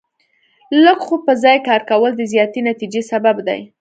لږ خو په ځای کار کول د زیاتې نتیجې سبب دی.